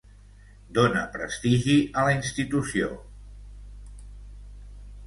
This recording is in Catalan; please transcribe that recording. Dóna prestigi a la institució.